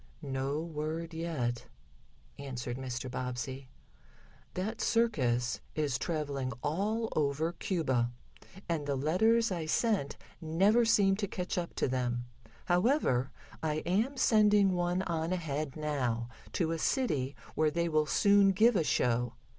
"No word yet," answered Mr. Bobbsey. "That circus is traveling all over Cuba, and the letters I sent never seem to catch up to them. However, I am sending one on ahead now, to a city where they will soon give a show.